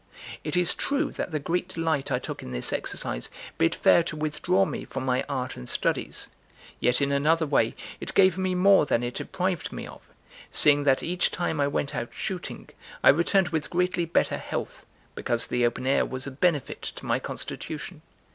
It is true that the great delight I took in this exercise bid fair to withdraw me from my art and studies; yet in another way it gave me more than it deprived me of, seeing that each time I went out shooting I returned with greatly better health, because the open air was a benefit to my constitution.